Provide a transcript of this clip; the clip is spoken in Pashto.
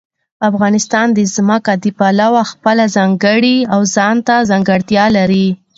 افغانستان د ځمکه د پلوه خپله ځانګړې او ځانته ځانګړتیا لري.